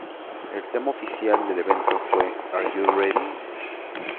El tema oficial del evento fue ""Are You Ready?